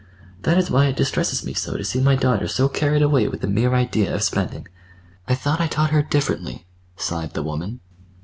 "That is why it distresses me so to see my daughter so carried away with the mere idea of spending. I thought I'd taught her differently," sighed the woman.